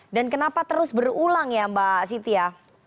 dan kenapa terus berulang ya mbak siti ya